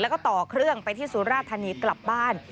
แล้วก็ต่อเครื่องไปที่สุราธานีกลับบ้าน